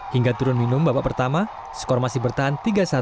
hingga turun minum babak pertama skor masih bertahan tiga satu